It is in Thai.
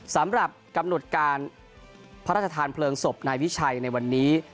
สำหรับกำหนดการพระราชทานเพลิงศพนายวิชัยในวันนี้